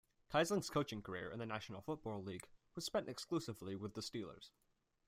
Kiesling's coaching career in the National Football League was spent exclusively with the Steelers.